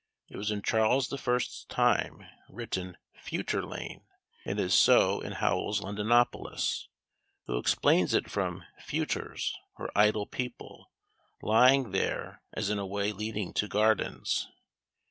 It was in Charles the First's time written Fewtor lane, and is so in Howell's "Londinopolis," who explains it from "Fewtors (or idle people) lying there as in a way leading to gardens."